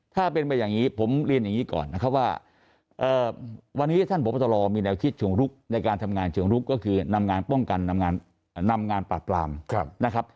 ถ้าเป็นไปอย่างนี้ผมเรียนอย่างนี้ก่อนนะครับว่าวันนี้ท่านพบตรมีแนวคิดเชิงลุกในการทำงานเชิงลุกก็คือนำงานป้องกันนำงานปราบปรามนะครับ